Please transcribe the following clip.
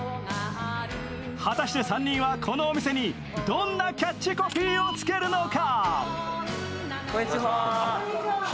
果たして３人はこのお店にどんなキャッチコピーをつけるのか？！